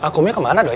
akumnya kemana duy